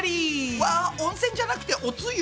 わ温泉じゃなくておつゆ。